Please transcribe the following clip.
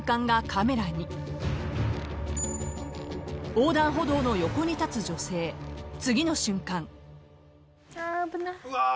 ［横断歩道の横に立つ女性次の瞬間］